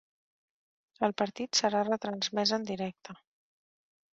El partit serà retransmès en directe.